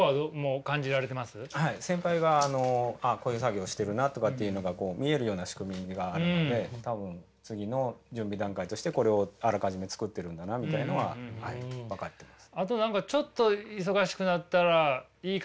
先輩があのこういう作業をしてるなとかっていうのがこう見えるような仕組みがあるので多分次の準備段階としてこれをあらかじめ作ってるんだなみたいのははい分かってます。